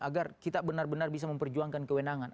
agar kita benar benar bisa memperjuangkan kewenangan